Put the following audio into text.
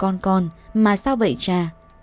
con con mà sao vậy cha